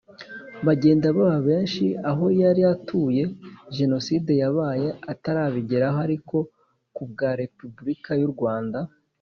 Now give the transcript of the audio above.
Bagenda Baba Benshi Aho Yari Atuye Jenoside Yabaye Atarabigeraho Ariko Ku Bwa Repubulika Y U Rwanda